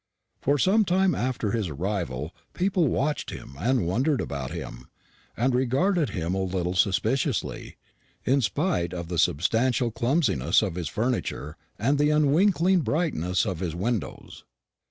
For some time after his arrival people watched him and wondered about him, and regarded him a little suspiciously, in spite of the substantial clumsiness of his furniture and the unwinking brightness of his windows.